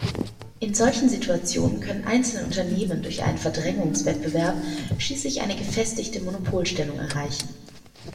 In solchen Situationen können einzelne Unternehmen durch einen Verdrängungswettbewerb schließlich eine gefestigte Monopolstellung erreichen.